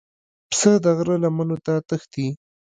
پسه د غره لمنو ته تښتي.